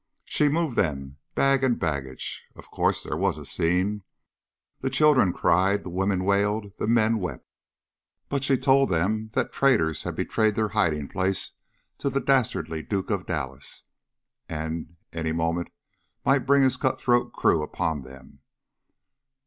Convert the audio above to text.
She moved them, bag and baggage. Of course, there was a scene; the children cried, the women wailed, the men wept. But she told them that traitors had betrayed their hiding place to the dastardly Duke of Dallas, and any moment might bring his cutthroat crew upon them.